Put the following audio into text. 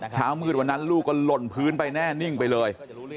เช้ามืดวันนั้นลูกก็หล่นพื้นไปแน่นิ่งไปเลย